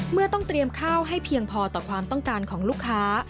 เมื่อต้องเตรียมข้าวให้เพียงพอต่อความต้องการของลูกค้า